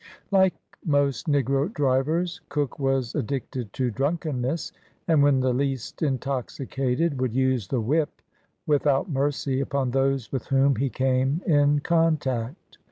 Like most negro drivers, Cook was addicted to drunkenness, and when the least intoxicated, would use the whip without mercy upon those with whom he came in contact.